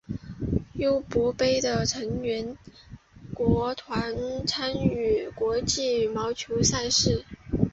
尤伯杯的成员国团队参与的国际羽毛球赛事。